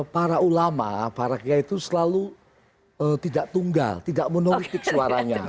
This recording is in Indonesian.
para ulama para kiai itu selalu tidak tunggal tidak menolitik suaranya